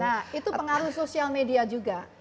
nah itu pengaruh sosial media juga